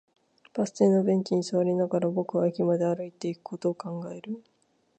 バス停のベンチに座りながら、僕は駅まで歩いていくことを考える